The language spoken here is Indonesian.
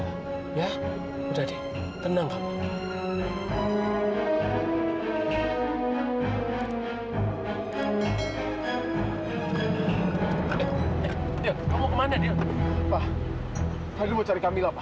edho sakit tuh perut aku sakit